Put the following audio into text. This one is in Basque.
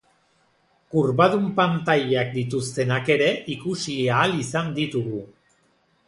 Kurbadun pantailak dituztenak ere ikusi ahal izan ditugu.